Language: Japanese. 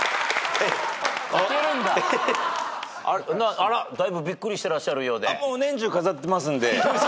あらだいぶびっくりしてらっしゃるようで。